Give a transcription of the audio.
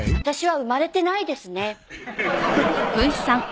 私は生まれてないですね